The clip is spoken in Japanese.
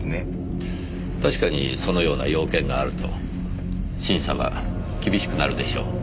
確かにそのような要件があると審査は厳しくなるでしょう。